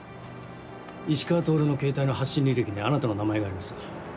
石川透のケータイの発信履歴にあなたの名前がありました。